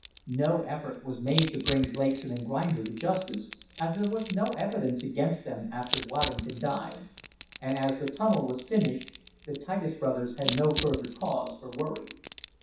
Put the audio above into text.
No effort was made to bring Blakeson & Grinder to justice, as there was no evidence against them after Waddington died. And, as the tunnel was finished, the Titus brothers had no further cause for worry.